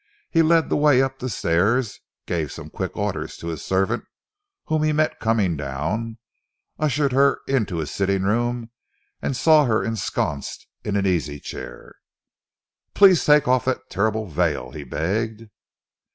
He led the way up the stairs, gave some quick orders to his servant whom he met coming down, ushered her into his sitting room and saw her ensconced in an easy chair. "Please take off that terrible veil," he begged.